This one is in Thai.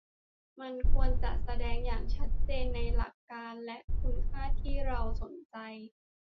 มันควรจะแสดงอย่างชัดเจนในหลักการและคุณค่าที่เราสนใจ